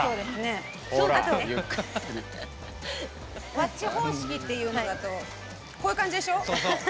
わっち方式っていうのだとこういう感じでしょ？